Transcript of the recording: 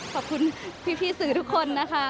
ขอบคุณพี่สื่อทุกคนนะคะ